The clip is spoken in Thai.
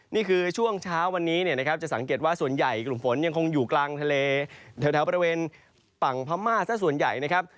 นี่คือช่วงเช้าวันนี้เนี่ยนะครับจะสังเกตว่าส่วนใหญ่กลุ่มฝนยังคงอยู่กลางทะเลแถวบริเวณฝั่งพม่าซะส่วนใหญ่นะครับ